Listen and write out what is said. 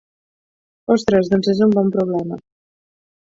Ostres, doncs és un bon problema.